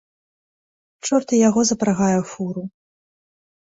Чорт і яго запрагае у фуру.